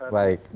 baik pak nahar